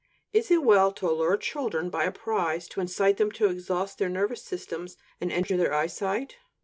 Is it well to allure children by a prize, to incite them to exhaust their nervous systems and injure their eyesight?